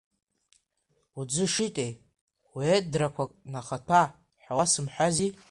Уӡы шитеи, уедрақәак нахаҭәа ҳәа уасымҳәази!